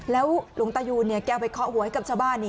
แล้วหลวงตายูนแกไปเคาะหัวให้กับชาวบ้านนี่